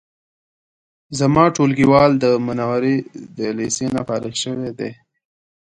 زما ټولګیوال د منورې د لیسې نه فارغ شوی دی